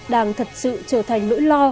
đang thật sự trở thành lỗi lo